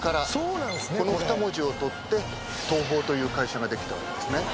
この２文字を取って東宝という会社ができたわけですね。